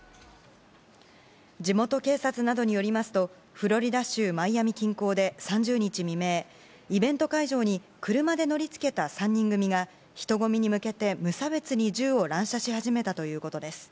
地元警察などによりますとフロリダ州マイアミ近郊で３０日未明イベント会場に車で乗りつけた３人組が人混みに向けて無差別に銃を乱射し始めたということです。